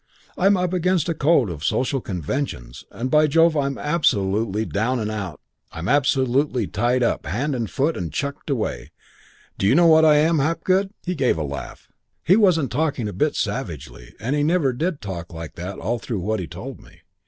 I'm up against a code of social conventions, and by Jove I'm absolutely down and out. I'm absolutely tied up hand and foot and chucked away. Do you know what I am, Hapgood ?' "He gave a laugh. He wasn't talking a bit savagely, and he never did talk like that all through what he told me.